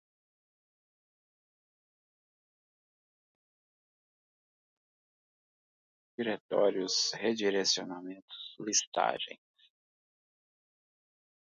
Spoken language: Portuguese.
diretórios, redirecionamentos, listagens